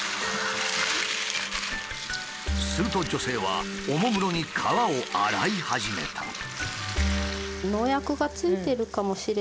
すると女性はおもむろに皮を洗い始めた。